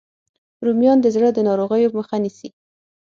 رومیان د زړه د ناروغیو مخه نیسي